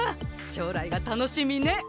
しょうらいが楽しみね。